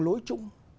đường lối chung